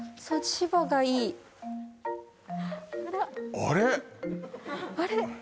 あれ？